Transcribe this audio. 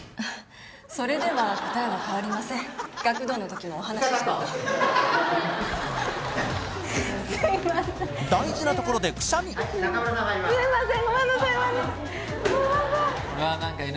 それでは答えは変わりません学童のときも大事なところでくしゃみすいません